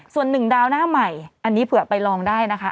ส่วนหนึ่งดาวหน้าใหม่อันนี้เผื่อไปลองได้นะคะ